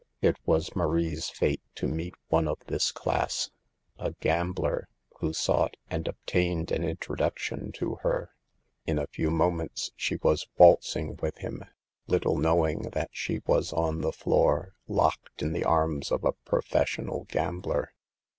It was Marie's fate to meet one of this class; a gambler, who sought and obtained an introduction to her. In a few moments she was waltzing with him, little knowing that she was on the floor locked in the arms of a professional gambler.